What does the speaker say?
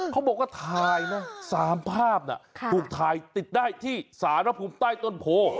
เขาบอกว่าถ่ายนะ๓ภาพน่ะถูกถ่ายติดได้ที่สารภูมิใต้ต้นโพ